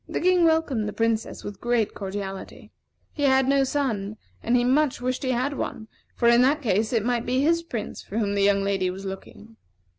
The King welcomed the Princess with great cordiality. He had no son, and he much wished he had one; for in that case it might be his Prince for whom the young lady was looking.